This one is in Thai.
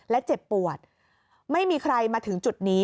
และเจ็บปวดไม่มีใครมาถึงจุดนี้